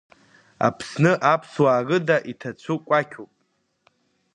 Аԥсны аԥсуаа рыда иҭацәу кәакьуп.